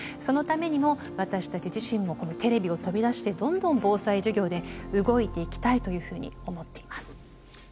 そのためにも私たち自身もこのテレビを飛び出してどんどん防災授業で動いていきたいというふうに思っています。